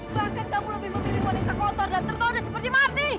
bahkan kamu lebih memilih wanita kotor dan tertarik seperti mardi